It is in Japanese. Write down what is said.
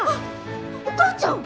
お母ちゃん！